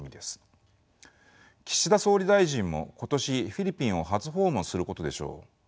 岸田総理大臣も今年フィリピンを初訪問することでしょう。